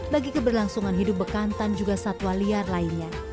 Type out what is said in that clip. bagi keberlangsungan hidup bekantan juga satwa liar lainnya